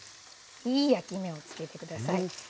いい焼き目を付けて下さい。